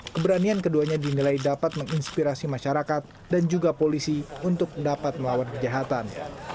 keberanian keduanya dinilai dapat menginspirasi masyarakat dan juga polisi untuk dapat melawan kejahatan